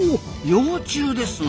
幼虫ですな。